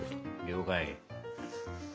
了解。